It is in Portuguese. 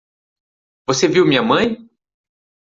Você viu minha mãe?